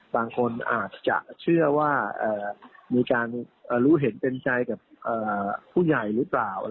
บางคนอาจจะเชื่อว่ามีการรู้เห็นเป็นใจกับผู้ใหญ่หรือเปล่า